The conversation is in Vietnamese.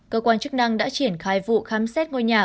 cơ quan chức năng đã triển khai vụ khám xét ngôi nhà